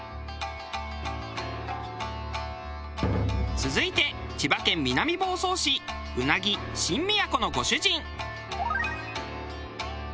続いて千葉県南房総市うなぎ新都のご主人。